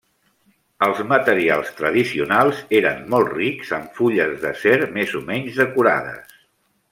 Els materials tradicionals eren molt rics, amb fulles d'acer més o menys decorades.